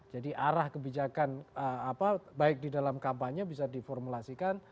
jadi arah kebijakan apa baik di dalam kampanye bisa diformulasikan